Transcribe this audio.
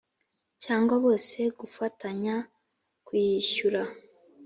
cyangwa bose gufatanya kuyishyura